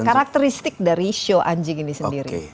apa karakteristik dari si anjing ini sendiri